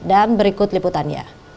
dan berikut liputannya